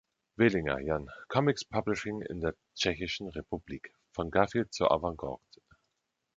Velinger, Jan. Comics Publishing in der Tschechischen Republik: Von Garfield zur Avantgarde.